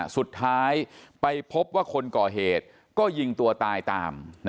สุดท้ายไปพบว่าคนก่อเหตุก็ยิงตัวตายตาม